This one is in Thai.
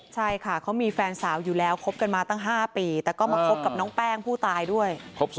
ใช่ค่ะเขามีแฟนสาวอยู่แล้วคบกันมาตั้ง๕ปีแต่ก็มาคบกับน้องแป้งผู้ตายด้วย